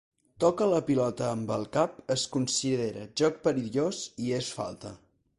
Toca la pilota amb el cap es considera joc perillós i és falta.